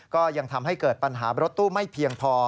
ก็ยังทำให้เกิดปัญหารถตู้ไม่เพียงพอ